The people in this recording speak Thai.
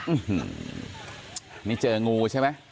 อื้อหือนี่เจองูใช่ไหม